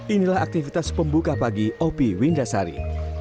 inilah aktivitas pembuka pagi op windasari